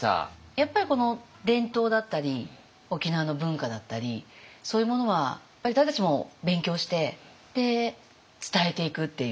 やっぱりこの伝統だったり沖縄の文化だったりそういうものは私たちも勉強して伝えていくっていう。